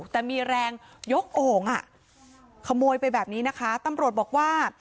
แต่มีแรงยกโอ่งอ่ะขโมยไปแบบนี้นะคะตำรวจบอกว่า